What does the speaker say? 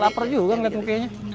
laper juga ngeliat mukanya